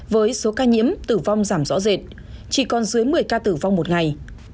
với số ca nhiễm tử vong giảm rõ rệt chỉ còn dưới một mươi ca tử vong một ngày